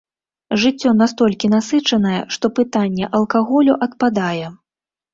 Жыццё настолькі насычанае, што пытанне алкаголю адпадае.